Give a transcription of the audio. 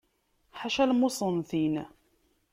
Ḥaca lmuṣenntin.